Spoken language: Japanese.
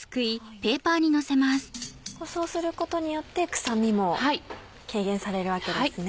そうすることによって臭みも軽減されるわけですね。